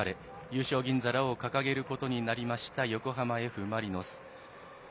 優勝銀皿を掲げることになりました横浜Ｆ・マリノス。